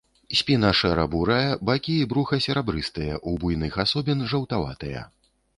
Спіна шэра-бурая, бакі і бруха серабрыстыя, у буйных асобін жаўтаватыя.